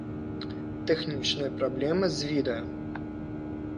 Тэхнічныя праблемы з відэа.